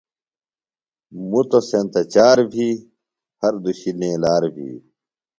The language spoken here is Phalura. مُتوۡ سینتہ چار بھی، ہر دُشیۡ نِیلار بھی